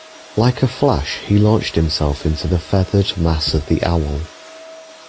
Like a flash he launched himself into the feathered mass of the owl.